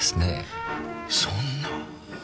そんな！